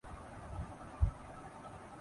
سچی لگن کے تحت سات سال بعد